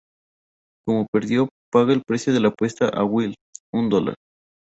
Como perdió, paga el precio de la apuesta a Will: un dólar.